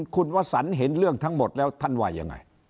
คุณวสันเห็นเรื่องทั้งหมดแล้วท่านว่ายังไง